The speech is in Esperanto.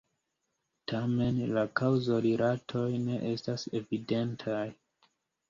Tamen, la kaŭzorilatoj ne estas evidentaj.